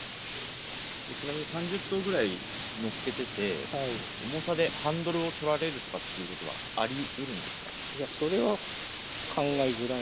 ちなみに３０頭ぐらい乗せてて、重さでハンドルを取られるとかっていうことは、ありうるんでそれは考えづらい。